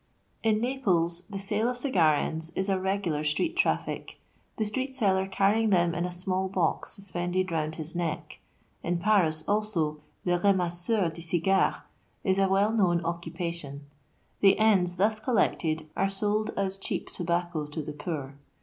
In Naples the sale of cigar ends is a regular street traffic, the street seller carrying them in a small box suspended round the neck. In Paris, also, U Rematteur de Cigara is a well known occupation : the " ends" thus collected are sold as cheap tobacco to the poor.